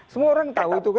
semua orang tahu itu kan